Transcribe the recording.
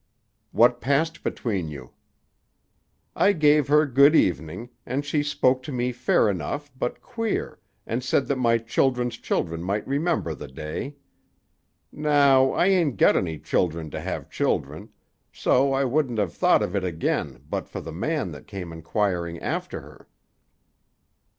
"What passed between you?" "I gave her good evening, and she spoke to me fair enough but queer, and said that my children's children might remember the day. Now, I ain't got any children to have children; so I wouldn't have thought of it again but for the man that came inquiring after her."